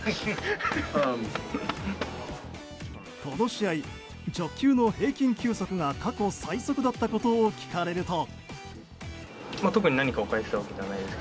この試合、直球の平均球速が過去最速だったことを聞かれると。